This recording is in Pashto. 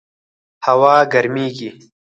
هوا ګرمیږي